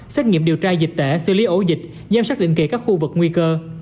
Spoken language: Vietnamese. xét nghiệm điều tra dịch tễ xử lý ổ dịch giám sát định kỳ các khu vực nguy cơ